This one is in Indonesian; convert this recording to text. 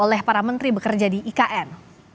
apakah itu cara menteri bekerja di ikn